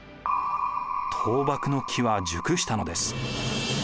倒幕の機は熟したのです。